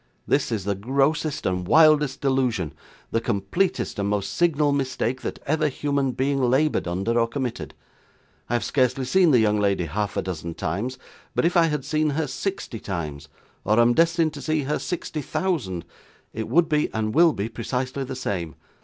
This is the grossest and wildest delusion, the completest and most signal mistake, that ever human being laboured under, or committed. I have scarcely seen the young lady half a dozen times, but if I had seen her sixty times, or am destined to see her sixty thousand, it would be, and will be, precisely the same.